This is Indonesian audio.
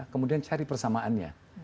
kemudian cari persamaannya